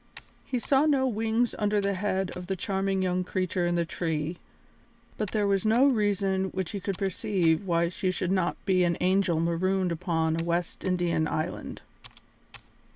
He saw no wings under the head of the charming young creature in the tree, but there was no reason which he could perceive why she should not be an angel marooned upon a West Indian island.